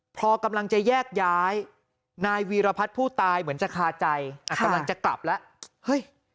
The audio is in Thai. พอกำลังจะแยกย้ายนายวีรพัฒน์ผู้ตายเหมือนจะคาใจกำลังจะกลับแล้วเฮ้ย